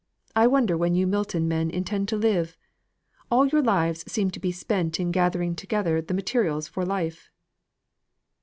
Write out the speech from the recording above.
I wonder when you Milton men intend to live. All your lives seem to be spent in gathering together the materials for life."